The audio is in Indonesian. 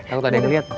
kalau gak ada yang liat